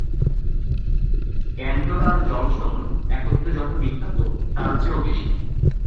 Cantor আর Jolson একত্রে যত বিখ্যাত, তার চেয়েও বেশি।